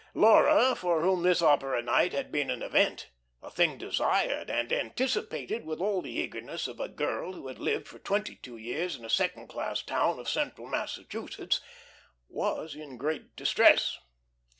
Laura, for whom this opera night had been an event, a thing desired and anticipated with all the eagerness of a girl who had lived for twenty two years in a second class town of central Massachusetts, was in great distress.